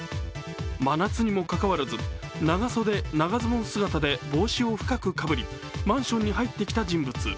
真夏にもかかわらず長袖・長ズボン姿で帽子を深くかぶりマンションに入ってきた人物。